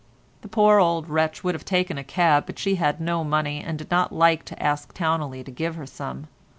The poor old wretch would have taken a cab, but she had no money and did not like to ask Towneley to give her some.